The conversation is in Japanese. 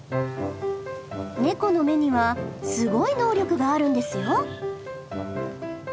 ネコの目にはすごい能力があるんですよ。